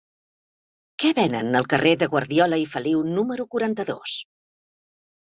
Què venen al carrer de Guardiola i Feliu número quaranta-dos?